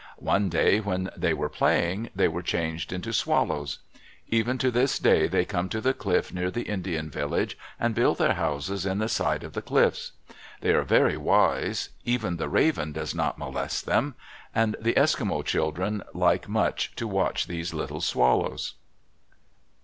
One day when they were playing, they were changed into swallows. Even to this day they come to the cliff near the Indian village and build their houses in the side of the cliffs. They are very wise. Even the raven does not molest them, and the Eskimo children like much to watch these little swallows.